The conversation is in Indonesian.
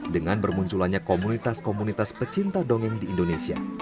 dengan bermunculannya komunitas komunitas pecinta dongeng di indonesia